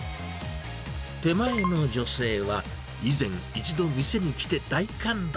手前の女性は、以前、一度店に来て大感動。